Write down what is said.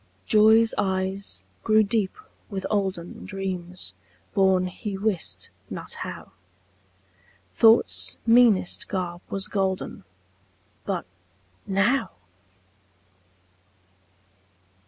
Joy's eyes grew deep with olden Dreams, born he wist not how; Thought's meanest garb was golden; But now!